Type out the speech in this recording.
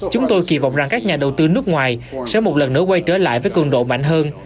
chúng tôi kỳ vọng rằng các nhà đầu tư nước ngoài sẽ một lần nữa quay trở lại với cường độ mạnh hơn